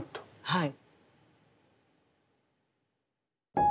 はい。